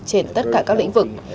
trên tất cả các lĩnh vực